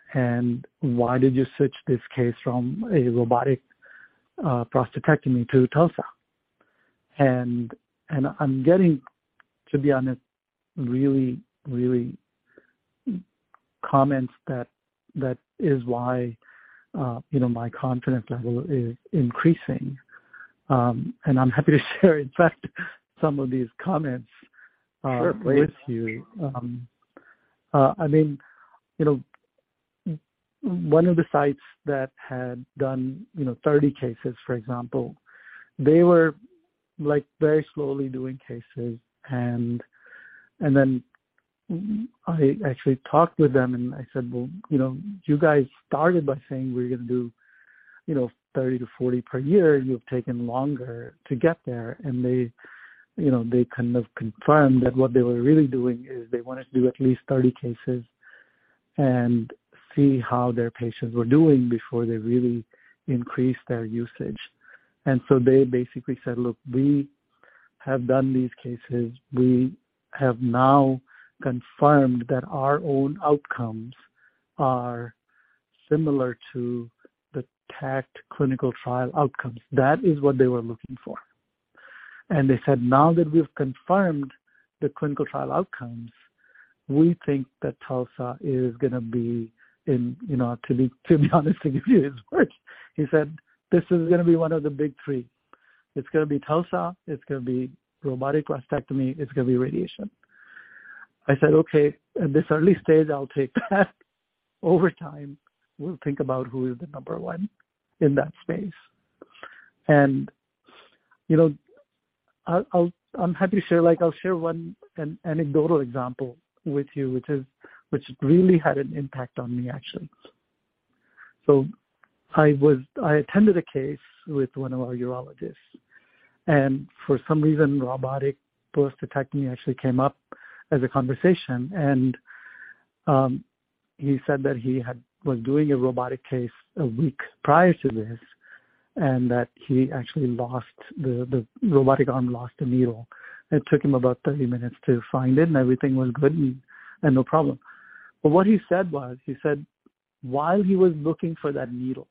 Why did you switch this case from a robotic prostatectomy to TULSA?" I'm getting, to be honest, really comments that is why, you know, my confidence level is increasing. I'm happy to share, in fact, some of these comments. Sure, please. With you. I mean, you know, one of the sites that had done, you know, 30 cases, for example, they were, like, very slowly doing cases. Then I actually talked with them, and I said, "Well, you know, you guys started by saying we're gonna do. You know, 30 to 40 per year, you've taken longer to get there. They, you know, they kind of confirmed that what they were really doing is they wanted to do at least 30 cases and see how their patients were doing before they really increased their usage. They basically said, "Look, we have done these cases. We have now confirmed that our own outcomes are similar to the TACT clinical trial outcomes." That is what they were looking for. They said, "Now that we've confirmed the clinical trial outcomes, we think that TULSA is going to be in" You know, to be honest and give you his words, he said, "This is going to be one of the big three. It's going to be TULSA, it's going to be robotic prostatectomy, it's going to be radiation." I said, "Okay, at this early stage I'll take that. Over time, we'll think about who is the number one in that space." You know, I'll, I'm happy to share, like, I'll share one anecdotal example with you, which is, which really had an impact on me actually. I attended a case with one of our urologists, and for some reason, robotic prostatectomy actually came up as a conversation. He said that he was doing a robotic case a week prior to this, and that he actually lost the robotic arm lost the needle. It took him about 30 minutes to find it, everything was good and no problem. What he said was, he said, while he was looking for that needle,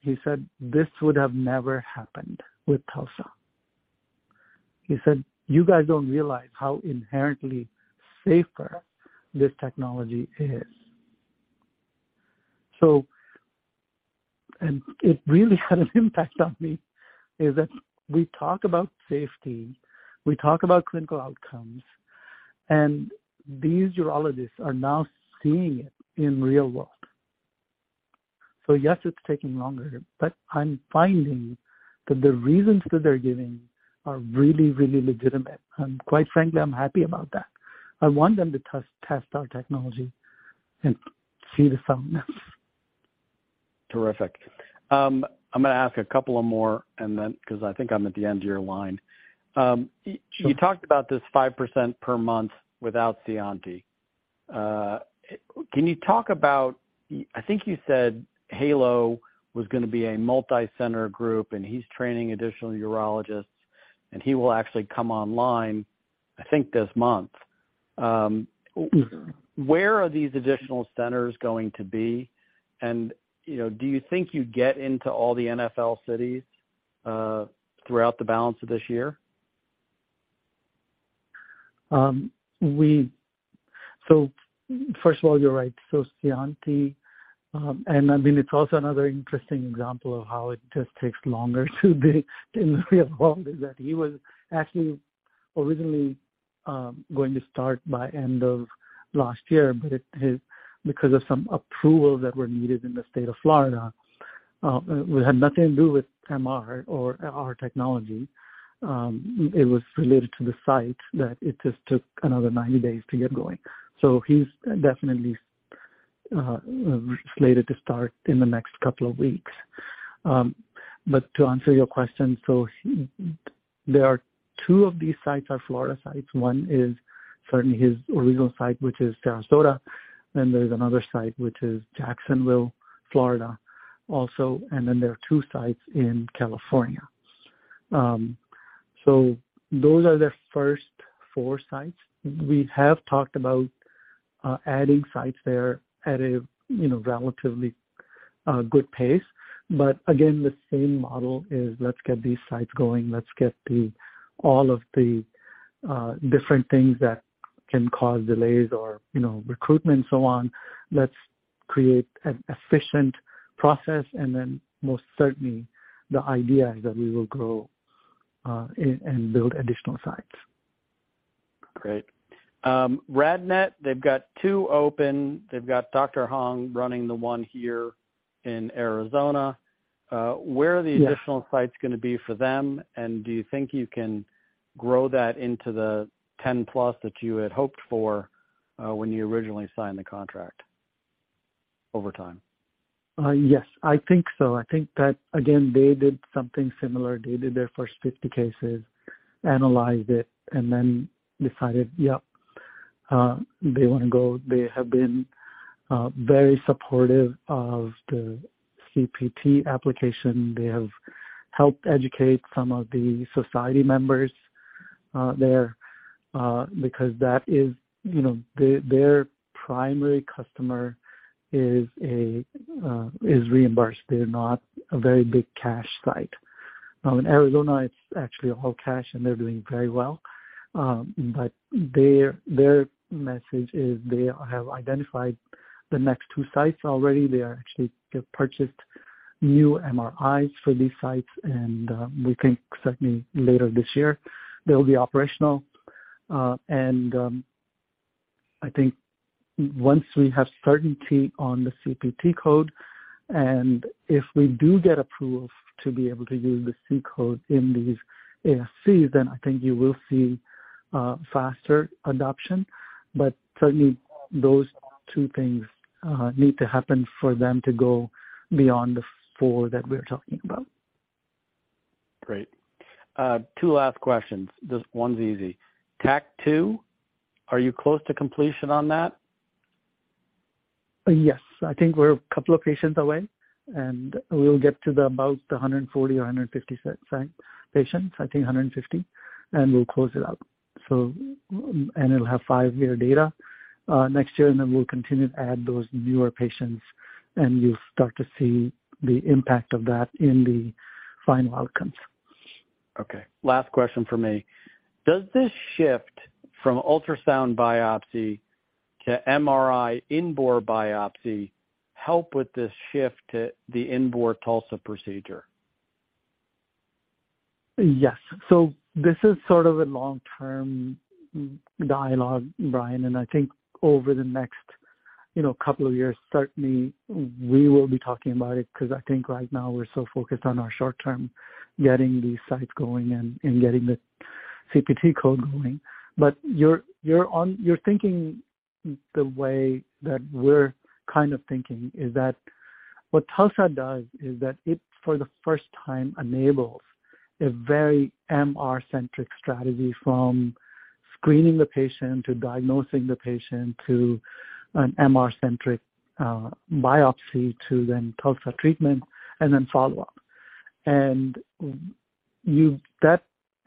he said, "This would have never happened with TULSA." He said, "You guys don't realize how inherently safer this technology is." It really had an impact on me, is that we talk about safety, we talk about clinical outcomes, and these urologists are now seeing it in real world. Yes, it's taking longer, but I'm finding that the reasons that they're giving are really, really legitimate. Quite frankly, I'm happy about that. I want them to test our technology and see the soundness. Terrific. I'm gonna ask a couple of more and then, 'cause I think I'm at the end of your line. Sure. You talked about this 5% per month without Scionti. I think you said HALO Diagnostics was gonna be a multi-center group, and he's training additional urologists, and he will actually come online I think this month. Where are these additional centers going to be? You know, do you think you'd get into all the NFL cities throughout the balance of this year? First of all, you're right. Scionti, I mean, it's also another interesting example of how it just takes longer to do in the real world, is that he was actually originally going to start by end of last year, because of some approval that were needed in the state of Florida, it had nothing to do with MR or our technology, it was related to the site that it just took another 90 days to get going. He's definitely slated to start in the next couple of weeks. To answer your question, there are two of these sites are Florida sites. One is certainly his original site, which is Sarasota, there's another site which is Jacksonville, Florida also, there are two sites in California. Those are the first four sites. We have talked about adding sites there at a, you know, relatively, good pace. Again, the same model is let's get these sites going, let's get all of the different things that can cause delays or, you know, recruitment and so on. Let's create an efficient process most certainly the idea is that we will grow, and build additional sites. Great. RadNet, they've got two open. They've got Dr. Hong running the one here in Arizona. Yes. Additional sites gonna be for them, do you think you can grow that into the 10+ that you had hoped for, when you originally signed the contract over time? Yes, I think so. I think that, again, they did something similar. They did their first 50 cases, analyzed it, and then decided, yep, they wanna go. They have been very supportive of the CPT application. They have helped educate some of the society members there because that is, you know. Their primary customer is reimbursed. They're not a very big cash site. In Arizona, it's actually all cash and they're doing very well. Their message is they have identified the next two sites already. They've purchased new MRIs for these sites and we think certainly later this year they'll be operational. I think once we have certainty on the CPT code, and if we do get approval to be able to use the C-code in these ASCs, then I think you will see faster adoption. Certainly those two things need to happen for them to go beyond the four that we're talking about. Great. Two last questions. This one's easy. TACT 2, are you close to completion on that? Yes. I think we're a couple of patients away, and we'll get to the about the 140 or 150 patients. I think 150. We'll close it out. It'll have five-year data, next year, and then we'll continue to add those newer patients, and you'll start to see the impact of that in the final outcomes. Okay. Last question from me. Does this shift from ultrasound biopsy to MRI in-bore biopsy help with this shift to the in-bore TULSA procedure? Yes. This is sort of a long-term dialogue, Brian, and I think over the next, you know, couple of years, certainly we will be talking about it because I think right now we're so focused on our short term, getting these sites going and getting the CPT code going. You're thinking the way that we're kind of thinking, is that what TULSA does is that it, for the first time, enables a very MR-centric strategy from screening the patient to diagnosing the patient to an MR-centric biopsy to then TULSA treatment and then follow-up. That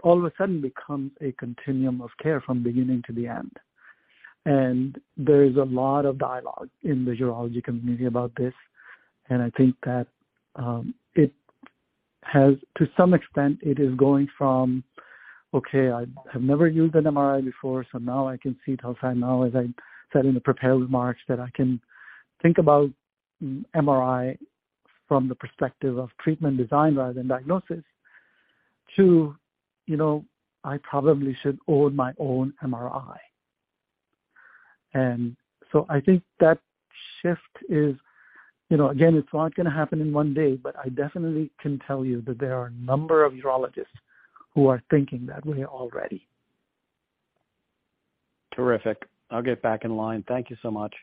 all of a sudden becomes a continuum of care from beginning to the end. There is a lot of dialogue in the urology community about this, and I think that it has. To some extent, it is going from, "Okay, I have never used an MRI before, so now I can see TULSA, now, as I said in the prepared remarks, that I can think about MRI from the perspective of treatment design rather than diagnosis to, you know, I probably should own my own MRI." I think that shift is, you know, again, it's not gonna happen in one day, but I definitely can tell you that there are a number of urologists who are thinking that way already. Terrific. I'll get back in line. Thank you so much.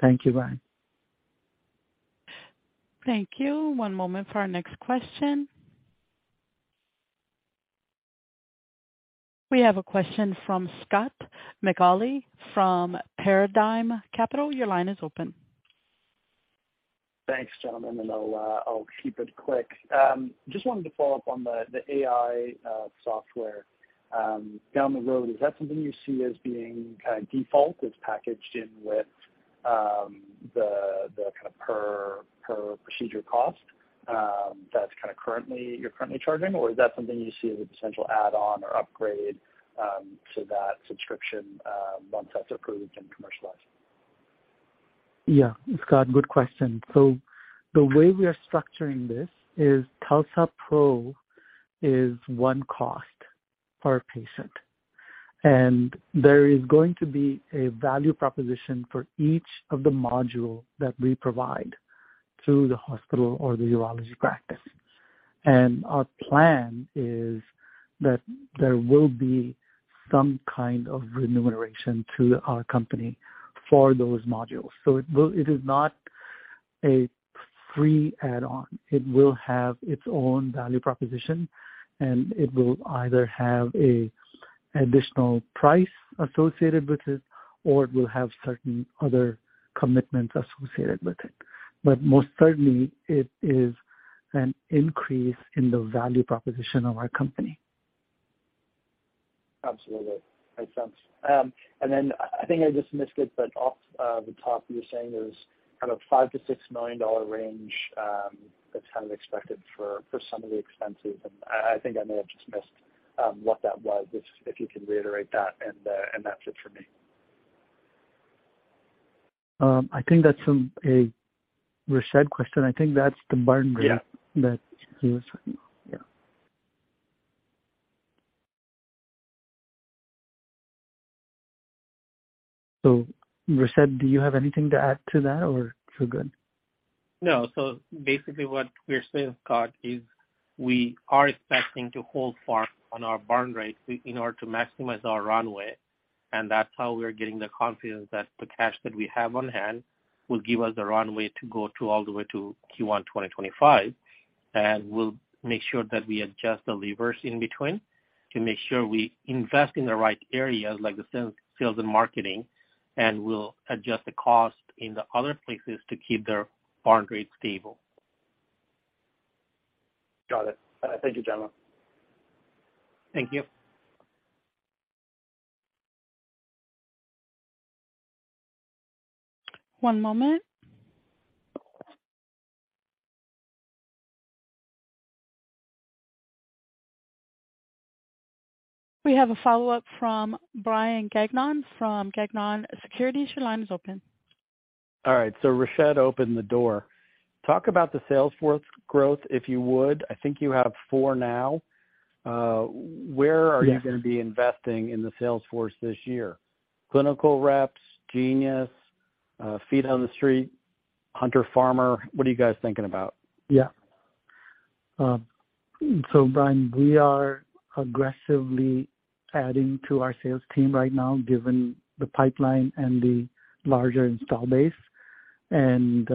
Thank you, Brian. Thank you. One moment for our next question. We have a question from Scott McAuley from Paradigm Capital. Your line is open. Thanks, gentlemen, I'll keep it quick. Just wanted to follow up on the AI software. Down the road, is that something you see as being kind of default? It's packaged in with the kind of per procedure cost that you're currently charging, or is that something you see as a potential add-on or upgrade to that subscription once that's approved and commercialized? Scott, good question. The way we are structuring this is TULSA-PRO is one cost per patient, and there is going to be a value proposition for each of the module that we provide to the hospital or the urology practice. Our plan is that there will be some kind of remuneration to our company for those modules. It is not a free add-on. It will have its own value proposition, and it will either have an additional price associated with it, or it will have certain other commitments associated with it. Most certainly, it is an increase in the value proposition of our company. Absolutely. Makes sense. Then I think I just missed it, but off the top you're saying there's kind of $5 million-$6 million range, that's kind of expected for some of the expenses, and I think I may have just missed what that was. If you could reiterate that and that's it for me. I think that's a Rashed question. I think that's the burn rate. Yeah. That he was talking about. Yeah. Rashed, do you have anything to add to that or we're good? Basically what we're saying, Scott, is we are expecting to hold firm on our burn rate in order to maximize our runway, and that's how we're getting the confidence that the cash that we have on hand will give us the runway to go to all the way to Q1 2025. We'll make sure that we adjust the levers in between to make sure we invest in the right areas like the sales and marketing, and we'll adjust the cost in the other places to keep the burn rate stable. Got it. Thank you, gentlemen. Thank you. One moment. We have a follow-up from Brian Gagnon from Gagnon Securities. Your line is open. All right. Rashed opened the door. Talk about the sales force growth, if you would. I think you have 4 now. Where are you? Yeah. Gonna be investing in the sales force this year, clinical reps, genius, feet on the street, hunter, farmer? What are you guys thinking about? Yeah. Brian, we are aggressively adding to our sales team right now, given the pipeline and the larger install base. In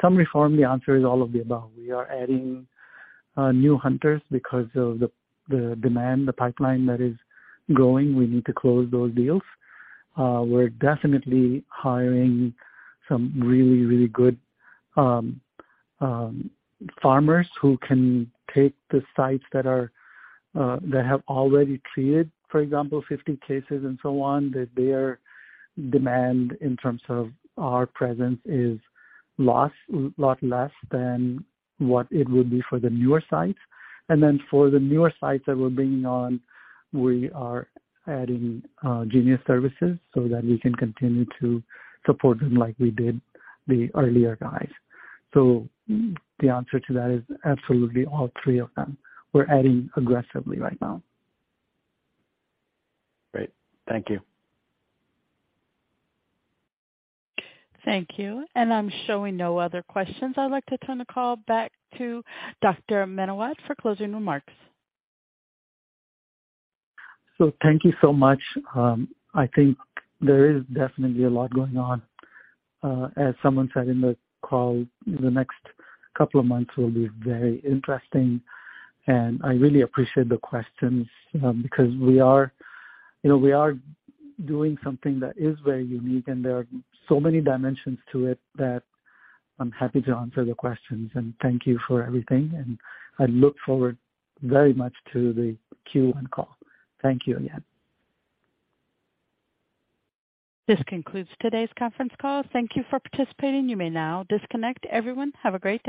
summary form, the answer is all of the above. We are adding new hunters because of the demand, the pipeline that is growing. We need to close those deals. We're definitely hiring some really, really good farmers who can take the sites that have already created, for example, 50 cases and so on, that their demand in terms of our presence is lot less than what it would be for the newer sites. For the newer sites that we're bringing on, we are adding genius services so that we can continue to support them like we did the earlier guys. The answer to that is absolutely all three of them. We're adding aggressively right now. Great. Thank you. Thank you. I'm showing no other questions. I'd like to turn the call back to Arun Menawat for closing remarks. Thank you so much. I think there is definitely a lot going on. As someone said in the call, the next couple of months will be very interesting. I really appreciate the questions, because we are, you know, we are doing something that is very unique, and there are so many dimensions to it that I'm happy to answer the questions. Thank you for everything, and I look forward very much to the Q1 call. Thank you again. This concludes today's conference call. Thank you for participating. You may now disconnect. Everyone, have a great day.